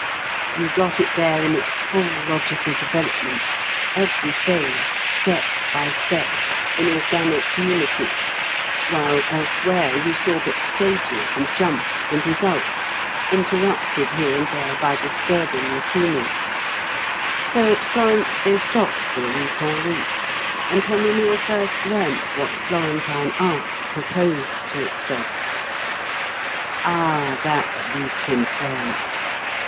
You got it there in its full logical development—every phase, step by step, in organic unity; while elsewhere you saw but stages and jumps and results, interrupted here and there by disturbing lacunae. So at Florence they stopped for a week en route, and Herminia first learnt what Florentine art proposed to itself. Ah, that week in Florence!